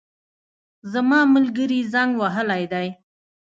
زما ملګري زنګ وهلی دی